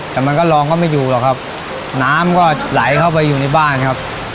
แต่มันก็ลองก็ไม่อยู่หรอกครับน้ำก็ไหลเข้าไปอยู่ในบ้านครับ